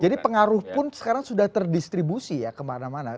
jadi pengaruh pun sekarang sudah terdistribusi ya kemana mana